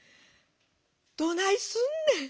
『どないすんねん。